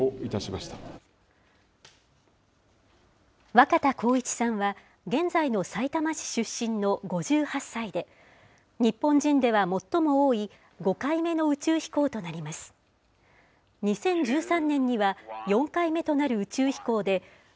若田光一さんは、現在のさいたま市出身の５８歳で、日本人では最も多い５回目の宇宙飛行となります。